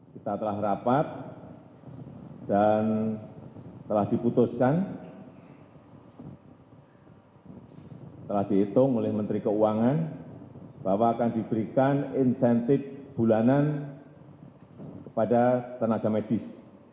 kita telah rapat dan telah diputuskan telah dihitung oleh menteri keuangan bahwa akan diberikan insentif bulanan kepada tenaga medis